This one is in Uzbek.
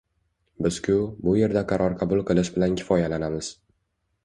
Biz-ku, bu yerda qaror qabul qilish bilan kifoyalanamiz